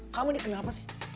kamu ini kenapa sih